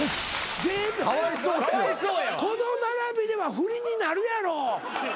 この並びでは振りになるやろ。